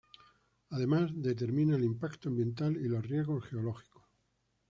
Además, determina el impacto ambiental y los riesgos geológicos.